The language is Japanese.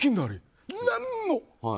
何の。